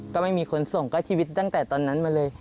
ก็ไม่มีคนส่งก็ชีวิตตั้งแต่ตอนนั้นมาเลย